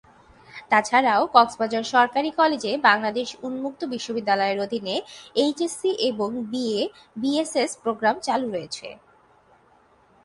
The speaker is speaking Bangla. তাছাড়াও কক্সবাজার সরকারি কলেজে বাংলাদেশ উন্মুক্ত বিশ্ববিদ্যালয়ের অধীনে এইচএসসি এবং বিএ/বিএসএস প্রোগ্রাম চালু রয়েছে।